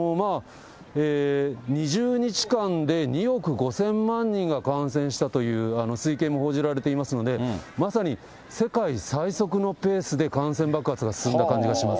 ２０日間で２億５０００万人が感染したという推計も報じられていますので、まさに世界最速のペースで感染爆発が進んだ感じがします。